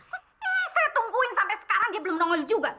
saya tungguin sampai sekarang dia belum nongol juga